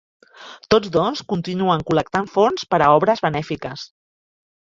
Tots dos continuen col·lectant fons per a obres benèfiques.